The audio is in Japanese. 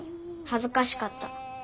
はずかしかった。